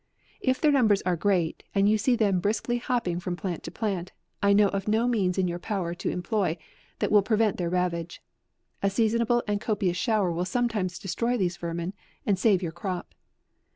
If their numbers are great, and you see them briskly hopping from plant to plant, I know of no means in 168 AUGUST, your power to employ, that will prevent their ravage. A seasonable and copious shower will sometimes destroy these vermin, and save your crop.